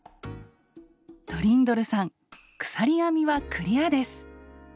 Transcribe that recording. トリンドルさん鎖編みはクリアです！